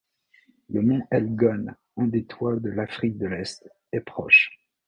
Le Mont Elgon, un des toits de l'Afrique de l'Est est proche.